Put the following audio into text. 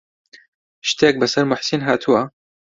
شتێک بەسەر موحسین هاتووە؟